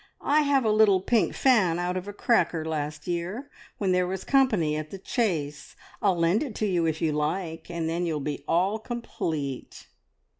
I have a little pink fan out of a cracker last year, when there was company at the Chase. I'll lend it to you if you like, and then you'll be all complete!"